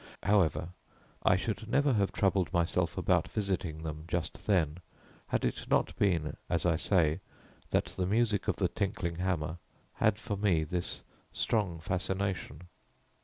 However, I should never have troubled myself about visiting them just then, had it not been, as I say, that the music of the tinkling hammer had for me this strong fascination.